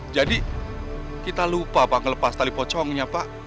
jadi kita lupa pak ngelepas tali pocongnya pak